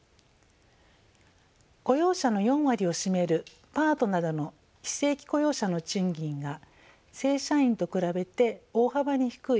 雇用者の４割を占めるパートなどの非正規雇用者の賃金が正社員と比べて大幅に低い。